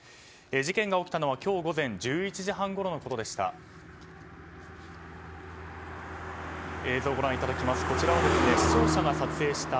事件が起きたのは今日午前１１時半ごろのことでした。